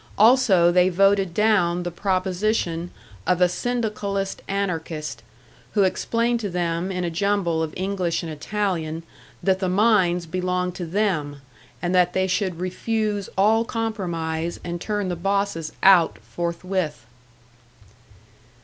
Also they voted down the proposition of a syndicalist anarchist, who explained to them in a jumble of English and Italian that the mines belonged to them, and that they should refuse all compromise and turn the bosses out forthwith.